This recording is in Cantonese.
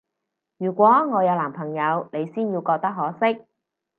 如果我有男朋友，你先要覺得可惜